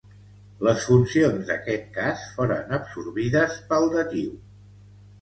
Les funcions d'aquest cas foren absorbides pel datiu.